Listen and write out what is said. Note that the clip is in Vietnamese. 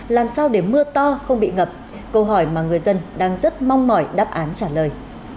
làm sao để mưa to không bị ngập câu hỏi mà người dân đang rất mong mỏi đáp án trả lời